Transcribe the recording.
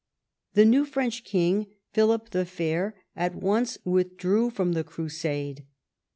The new French king, Philip the Fair, at once withdrew from the Crusade.